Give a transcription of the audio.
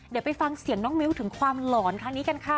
เดี๋ยวไปฟังเสียงน้องมิ้วถึงความหลอนครั้งนี้กันค่ะ